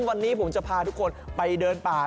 วันนี้ผมจะพาทุกคนไปเดินป่า